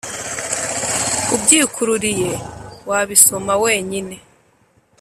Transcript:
ubyikururiye wabisoma we nyine